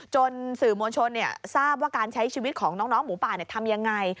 สื่อมวลชนทราบว่าการใช้ชีวิตของน้องหมูป่าทำยังไง